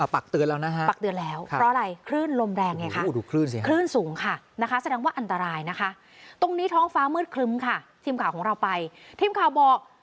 อ่ะปลักเตือนแล้วนะครับ